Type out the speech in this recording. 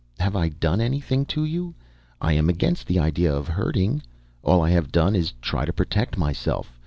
"Have I done anything to you? I am against the idea of hurting. All I have done is try to protect myself.